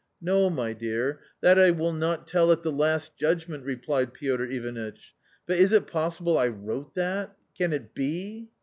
" No, my dear, that I will not tell at the Last Judgment," replied Piotr Ivanitch ;" but is it possible I wrote that ? can it be?"